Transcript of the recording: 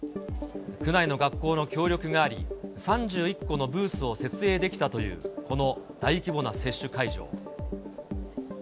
区内の学校の協力があり、３１個のブースを設営できたというこの大規模な接種会場。